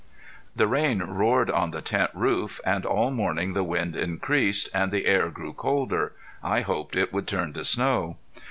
The rain roared on the tent roof, and all morning the wind increased, and the air grew colder. I hoped it would turn to snow.